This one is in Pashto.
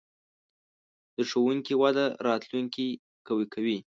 د ښوونې وده راتلونکې قوي کوي.